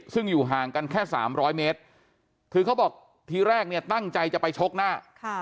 ซึ่งอยู่ห่างกันแค่๓๐๐เมตรคือเขาบอกทีแรกเนี่ยตั้งใจจะไปชกหน้า